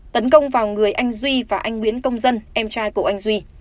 tấn công vào người anh duy và anh nguyễn công dân em trai của anh duy